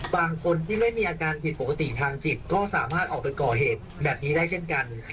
บางคนที่ไม่มีอาการผิดปกติทางจิตก็สามารถออกไปก่อเหตุแบบนี้ได้เช่นกัน